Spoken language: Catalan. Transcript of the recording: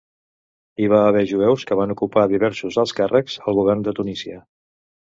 Hi va haver jueus que van ocupar diversos alts càrrecs al govern de Tunísia.